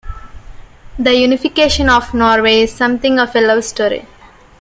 The unification of Norway is something of a love story.